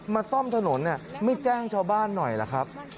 ซ่อมถนนไม่แจ้งชาวบ้านหน่อยล่ะครับ